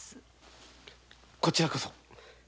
ここちらこそ。